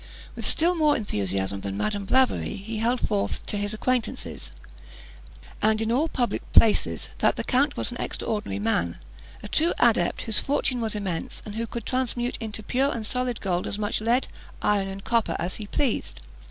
With still more enthusiasm than Madame Blavary, he held forth to his acquaintance, and in all public places, that the count was an extraordinary man, a true adept, whose fortune was immense, and who could transmute into pure and solid gold as much lead, iron, and copper as he pleased.